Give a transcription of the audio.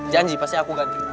janji pasti aku ganti